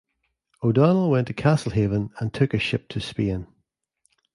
O'Donnell went to Castlehaven and took a ship to Spain.